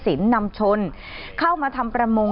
นำชนเข้ามาทำประมง